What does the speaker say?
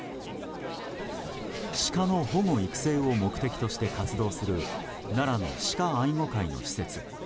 シカの保護育成を目的として活動する奈良の鹿愛護会の施設。